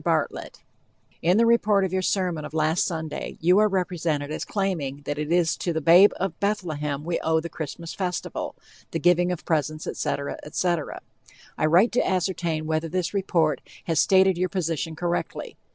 BARTLETT: In the report of your sermon of last Sunday you are represented as claiming that it is to the "babe in Bethlehem" we owe the Christmas festival, the giving of presents, etc., etc. I write to ascertain whether this report has stated your position correctly?